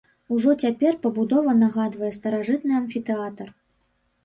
Ужо цяпер пабудова нагадвае старажытны амфітэатр.